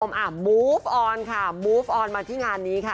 บูฟออนค่ะบูฟออนมาที่งานนี้ค่ะ